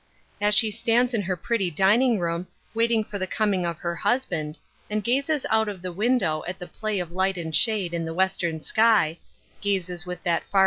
As she stands in her pretty dining room, wait ing for the coming of her husband, and gazes out of the window at the play of light and shade in the western sky — gazes with that far* 151 152 liuth Urshine's Crosses.